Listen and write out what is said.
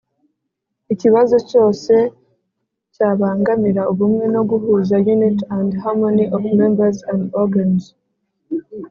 ikibazo cyose cyabangamira ubumwe no guhuza unit and harmony of members and organs